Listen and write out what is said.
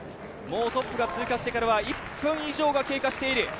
トップが通過してからは１分以上が経過している。